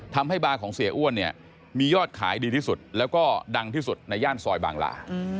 ทำให้บาร์ของเสียอ้วนเนี่ยมียอดขายดีที่สุดแล้วก็ดังที่สุดในย่านซอยบางลา